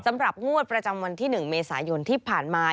งวดประจำวันที่๑เมษายนที่ผ่านมา